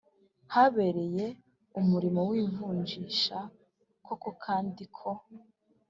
habereye umurimo w ivunjisha koko kandi ko